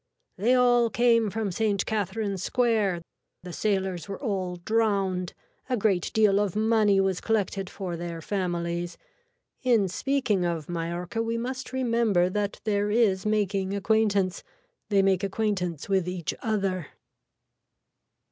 They all came from Saint Katherine square. The sailors were all drowned. A great deal of money was collected for their families. In speaking of Mallorca we must remember that there is making acquaintance. They make acquaintance with each other.